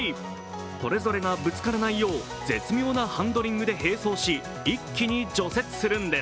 それぞれがぶつからないよう絶妙なハンドリングで並走し一気に除雪するんです。